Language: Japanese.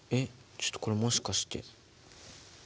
ちょっとこれもしかして。